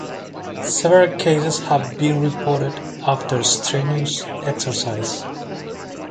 Several cases have been reported after strenuous exercise.